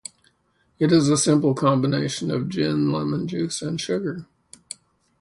It is a simple combination of gin, lemon juice, and sugar.